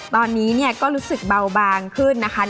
ตอนนี้เนี่ยก็รู้สึกเบาบางขึ้นนะคะ